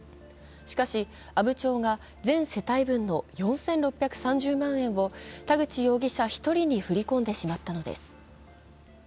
しかし、阿武町が全世帯分の４６３０万円を田口容疑者１人に振り込んでしまったのです。